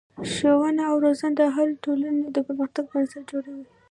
ښوونه او روزنه د هرې ټولنې د پرمختګ بنسټ جوړوي.